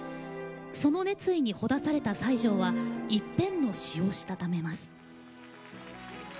その熱意にほだされた西條は１編の詞をしたためます。